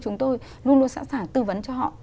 chúng tôi luôn luôn sẵn sàng tư vấn cho họ